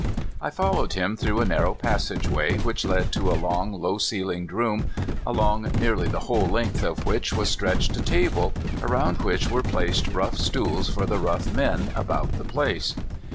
I followed him through a narrow passageway, which led to a long, low ceiled room, along nearly the whole length of which was stretched a table, around which were placed rough stools for the rough men about the place.